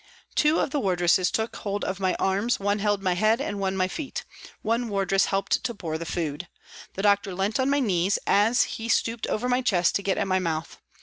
Two of the wardresses took hold of my arms, one held my head and one my feet. One wardress helped to pour the food. The doctor leant on my knees as he stooped over my chest to get at my mouth.